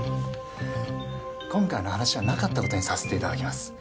今回の話はなかったことにさせていただきます